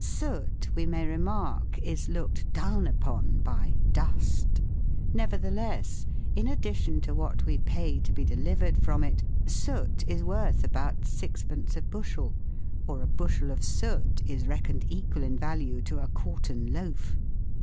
Soot, we may remark, is looked down upon by " dust ;" nevertheless, in addition to what we pay to be delivered from it, soot is worth about 6d. a bushel, or a bushel of soot is reckoned equal in value to a quartern loaf.